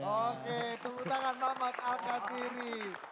oke tepuk tangan mamat alkathiri